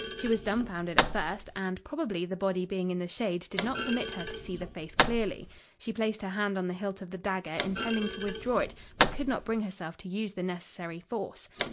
She was dumbfounded at first, and probably the body being in the shade did not permit her to see the face clearly. She placed her hand on the hilt of the dagger, intending to withdraw it, but could not bring herself to use the necessary force."